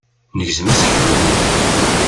Negzem aseklu-nni.